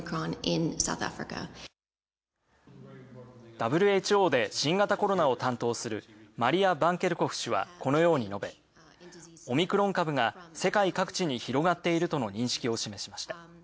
ＷＨＯで新型コロナを担当するマリア・バンケルコフ氏はこのように述べオミクロン株が世界各地に広がっているとの認識を示しました。